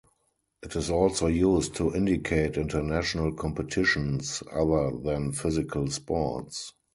It is also used to indicate international competitions other than physical sports.